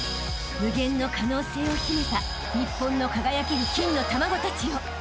［無限の可能性を秘めた日本の輝ける金の卵たちよ］